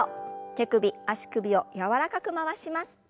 手首足首を柔らかく回します。